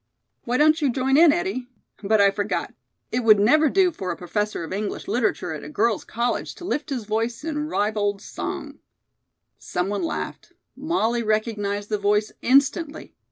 '" "Why don't you join in, Eddie? But I forgot. It would never do for a Professor of English Literature at a girls' college to lift his voice in ribald song." Some one laughed. Molly recognized the voice instantly.